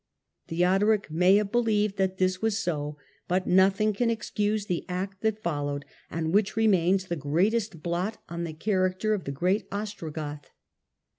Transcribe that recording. Theodoric may have be lieved that this was so, but nothing can excuse the act that followed and which remains the greatest blot on the character of the great Ostrogoth.